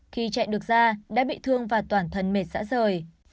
khi chạy được ra đã bị thương và toàn thân mệt dã rời